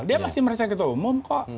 dia masih merasa ketua umum kok